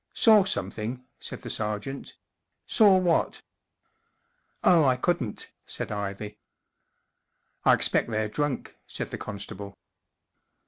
*' 44 Saw something ?" said the sergeant. 44 Saw what ?" 44 Oh, I couldn't," said Ivy. 44 1 expect they’re drunk, "said the constable.